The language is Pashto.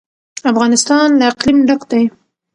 افغانستان له اقلیم ډک دی.